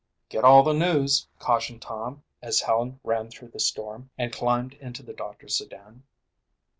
"Get all the news," cautioned Tom as Helen ran through the storm and climbed into the doctor's sedan.